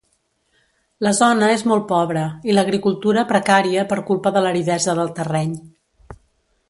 La zona és molt pobre i l'agricultura precària per culpa de l'aridesa del terreny.